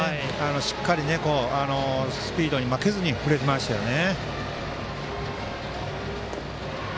しっかりスピードに負けずに振れてましたよね。